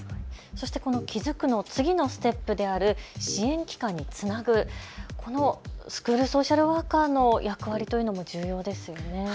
そして気付くの次のステップである支援機関につなぐ、このスクールソーシャルワーカーの役割も重要ですよね。